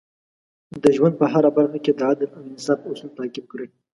د ژوند په هره برخه کې د عدل او انصاف اصول تعقیب کړئ.